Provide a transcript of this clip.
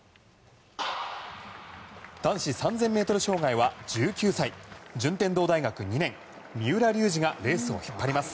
男子３０００ｍ障害は１９歳順天堂大学２年、三浦龍司がレースを引っ張ります。